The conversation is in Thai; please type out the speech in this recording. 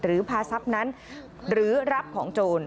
พาทรัพย์นั้นหรือรับของโจร